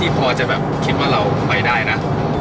รีบพอจะคิดว่าเราไปได้นะ